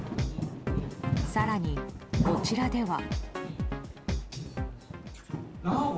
更に、こちらでは。